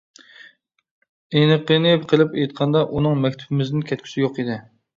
ئېنىقىنى قىلىپ ئېيتقاندا ئۇنىڭ مەكتىپىمىزدىن كەتكۈسى يوق ئىدى.